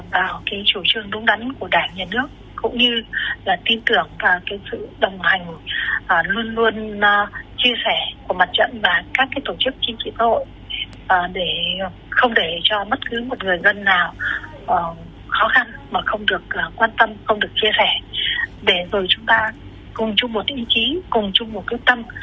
vào cái chủ trương đúng đắn của đảng nhà nước cũng như là tin tưởng và cái sự đồng hành luôn luôn chia sẻ của mặt trận và các cái tổ chức chính trị xã hội để không để cho mất cứ một người dân nào khó khăn mà không được quan tâm không được chia sẻ để rồi chúng ta cùng chung một ý chí cùng chung một cơ tâm